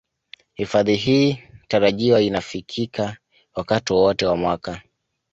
Hifadhi hii tarajiwa inafikika wakati wowote wa mwaka